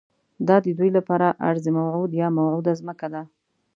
دا ددوی لپاره ارض موعود یا موعوده ځمکه ده.